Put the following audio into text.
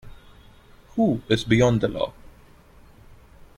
Who is beyond the law?